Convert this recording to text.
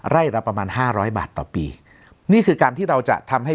ละประมาณห้าร้อยบาทต่อปีนี่คือการที่เราจะทำให้